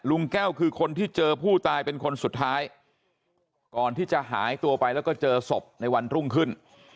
แก้วคือคนที่เจอผู้ตายเป็นคนสุดท้ายก่อนที่จะหายตัวไปแล้วก็เจอศพในวันรุ่งขึ้น